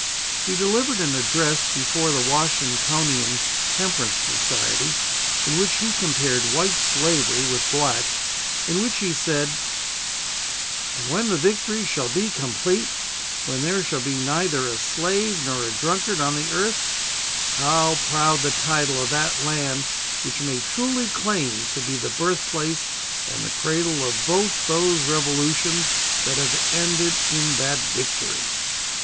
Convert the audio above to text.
He delivered an address before the Washingtonian (Temperance) Society in which he compared white slavery with black, in which he said: "And when the victory shall be complete when there shall be neither a slave nor a drunkard on the earth how proud the title of that land which may truly claim to be the birthplace and the cradle of both those revolutions that have ended in that victory."